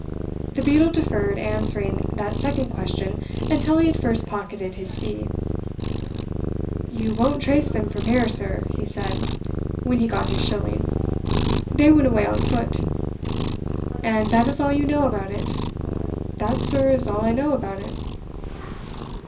The beadle deferred answering that second question until he had first pocketed his fee. "You won't trace them from here, sir," he said, when he had got his shilling. "They went away on foot." "And that is all you know about it?" "That, sir, is all I know about it."